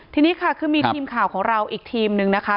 ทีนี้ค่ะคือมีทีมข่าวของเราอีกทีมนึงนะคะ